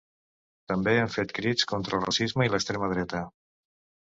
També han fet crits contra el racisme i l’extrema dreta.